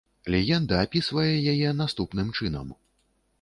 Легенда апісвае яе наступным чынам.